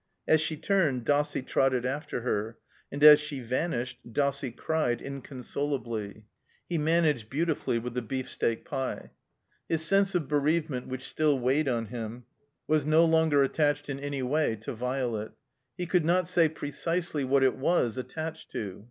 As she turned Dossie trotted after her; and as she vanished Dossie cried, inconsolably. 356 THE COMBINED MAZE He managed, beautifully, with the beefsteak pie. His sense of bereavement which still weighed on him was no longer attached in any way to Violet. He could not say precisely what it was attached to.